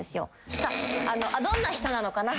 どんな人なのかな？